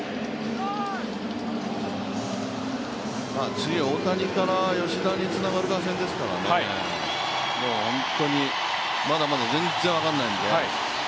次は大谷から吉田につながる打線ですからね、もう本当にまだまだ全然分からないんで。